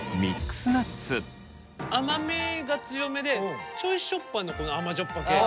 甘みが強めでちょいしょっぱのこの甘じょっぱ系。